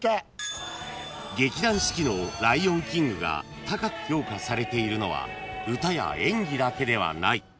［劇団四季の『ライオンキング』が高く評価されているのは歌や演技だけではない］